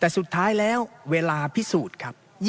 แต่สุดท้ายแล้วเวลาพิสูจน์ครับ